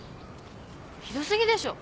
ひど過ぎでしょ。